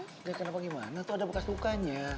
ya kenapa gimana tuh ada bekas lukanya